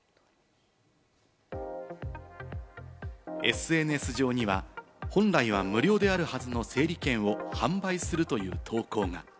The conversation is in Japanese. ＳＮＳ上には、本来は無料であるはずの整理券を販売するという投稿が。